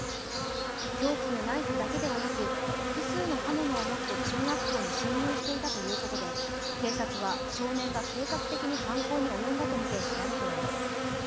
凶器のナイフだけではなく、複数の刃物を持って中学校に侵入していたということで、警察は少年が計画的に犯行に及んだとみてしらべています。